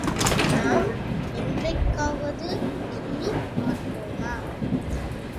நாம் என்றைக்காவது எண்ணிப் பார்த்தோமா?